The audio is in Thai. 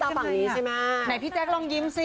นี่มักมากมากไหนพี่แจ๊คลองยิ้มซิ